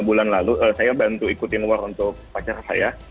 enam bulan lalu saya bantu ikutin war untuk pacar saya